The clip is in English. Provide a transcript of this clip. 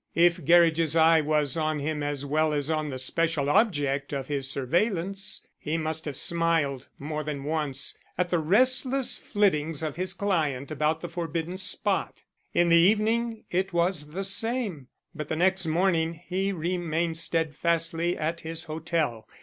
If Gerridge's eye was on him as well as on the special object of his surveillance, he must have smiled, more than once, at the restless flittings of his client about the forbidden spot. In the evening it was the same, but the next morning he remained steadfastly at his hotel.